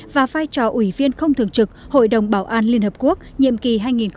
và vai trò ủy viên không thường trực hội đồng bảo an liên hợp quốc nhiệm kỳ hai nghìn hai mươi hai nghìn hai mươi một